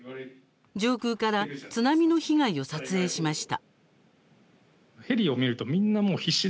上空から津波の被害を撮影しました。